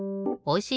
お！